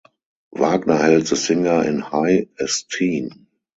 Wagner held the singer in high esteem.